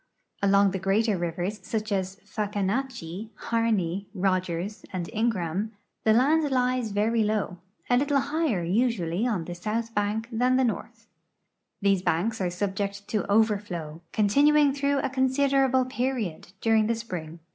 Along the greater rivers, such as the Fahkahnatchee, Harqey, Rogers, and Ingraham, the land lies very low, a little higher usually on the south hank than the north. These banks are subject to overfiow, continuing through a considerable period, during the spring.